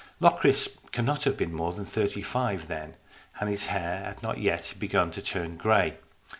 Locris cannot have been more than thirty five then, and his hair had not yet begun to turn grey.